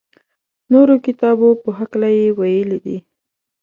نورو کتابو په هکله یې ویلي دي.